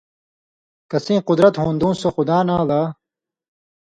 کسیں قُدرت ہُون٘دوں سو خداں ناں لا